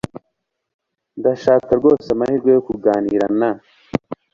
Ndashaka rwose amahirwe yo kuganira na .